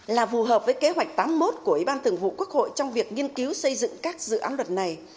là phù hợp với kế hoạch tám mươi một của ủy ban thường vụ quốc hội trong việc nghiên cứu xây dựng các dự án luật này